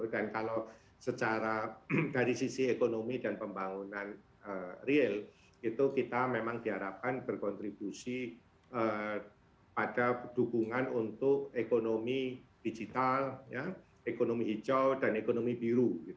dan kalau secara dari sisi ekonomi dan pembangunan real itu kita memang diharapkan berkontribusi pada dukungan untuk ekonomi digital ekonomi hijau dan ekonomi biru